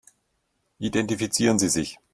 Identifizieren Sie sich.